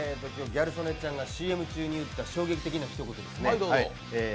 ギャル曽根ちゃんがＣＭ中に言った衝撃的なひと言ですね。